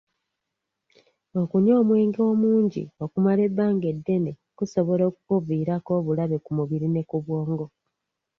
Okunywa omwenge omungi okumala ebbanga eddene kusobola okukuviirako obulabe ku mubiri ne ku bwongo.